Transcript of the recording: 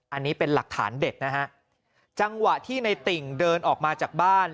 อันนี้เป็นหลักฐานเด็ดนะฮะจังหวะที่ในติ่งเดินออกมาจากบ้าน